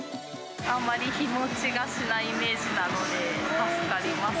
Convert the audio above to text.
あんまり日持ちがしないイメージなので、助かります。